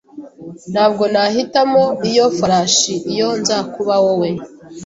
Ntabwo nahitamo iyo farashi iyo nza kuba wowe.